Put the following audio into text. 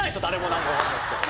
何かわかんないっすけど。